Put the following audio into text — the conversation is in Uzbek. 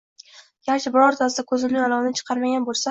Garchi birortasi koʻzimning olovini chiqarmagan boʻlsa ham!